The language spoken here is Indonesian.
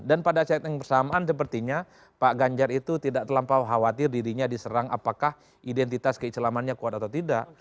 pada saat yang bersamaan sepertinya pak ganjar itu tidak terlampau khawatir dirinya diserang apakah identitas keislamannya kuat atau tidak